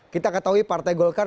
kita ketahui partai golkar